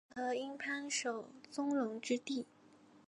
并河因幡守宗隆之弟。